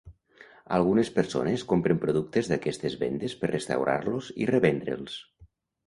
Algunes persones compren productes d'aquestes vendes per restaurar-los i revendre'ls.